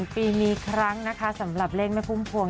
ปีนี้ครั้งนะคะสำหรับเลขแม่พุ่มพวง